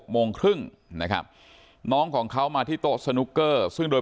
โมงครึ่งนะครับน้องของเขามาที่โต๊ะสนุกเกอร์ซึ่งโดย